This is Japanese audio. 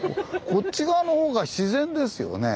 こっち側のほうが自然ですよね。